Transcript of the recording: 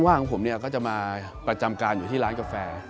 ว่างของผมเนี่ยก็จะมาประจำการอยู่ที่ร้านกาแฟ